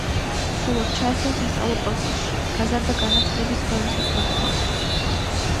სრულად ჩაერთონ სასწავლო პროცესში, გაზარდა განათლების ხელმისაწვდომობა